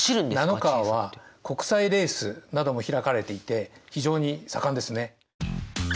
ナノカーは国際レースなども開かれていて非常に盛んですね。